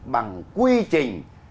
bằng quy trình